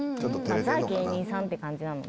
ザ芸人さんって感じなので。